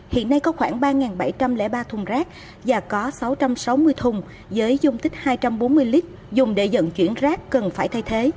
hiện nay có khoảng ba bảy trăm linh ba thùng rác và có sáu trăm sáu mươi thùng với dung tích hai trăm bốn mươi lít dùng để dẫn chuyển rác cần phải thay thế